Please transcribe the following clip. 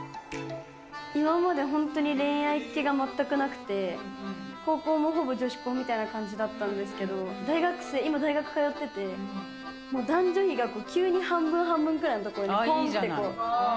今まで本当に恋愛っ気が全くなくて、高校もほぼ女子校みたいな感じだったんですけど、大学生、今大学通ってて、もう男女比が急に半分半分くらいのところにぽんってこう。